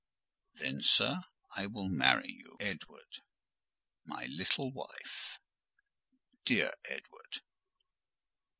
"Then, sir, I will marry you." "Edward—my little wife!" "Dear Edward!"